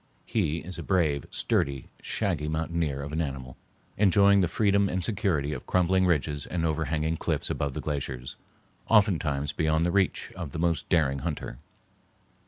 He is a brave, sturdy shaggy mountaineer of an animal, enjoying the freedom and security of crumbling ridges and overhanging cliffs above the glaciers, oftentimes beyond the reach of the most daring hunter.